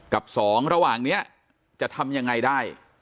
กับสองระหว่างนี้จะทำยังไงได้